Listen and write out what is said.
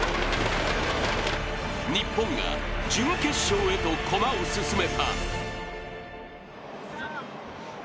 日本が準決勝へと駒を進めた。